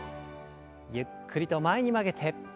ゆっくりと前に曲げて。